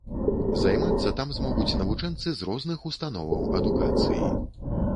Займацца там змогуць навучэнцы з розных установаў адукацыі.